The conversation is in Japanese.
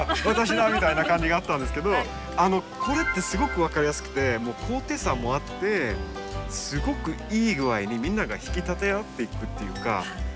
「私だ」みたいな感じがあったんですけどこれってすごく分かりやすくて高低差もあってすごくいい具合にみんなが引き立て合っていくっていうか。